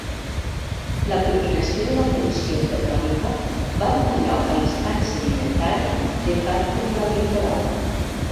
La culminació de la col·lisió cratònica va donar lloc a l'estany sedimentari de Padbury al litoral.